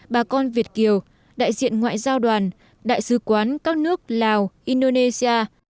bà con việt kiều đại diện ngoại giao đoàn đại sứ quán các nước lào indonesia